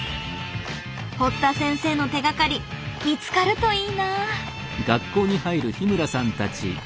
堀田先生の手がかり見つかるといいな。